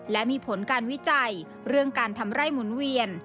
และมีผลการวิจัยเรื่องการทำไร่หมุนเวียน